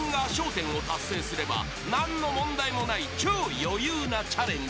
１０を達成すれば何の問題もない超余裕なチャレンジなのだ］